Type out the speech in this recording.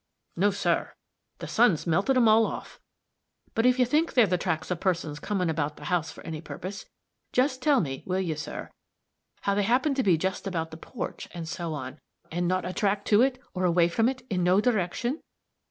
"No, sir; the sun's melted 'em all off. But if you think they're the tracks of persons comin' about the house for any purpose, just tell me, will you, sir, how they happened to be just about the porch, and so on, and not a track to it, nor away from it, in no direction?"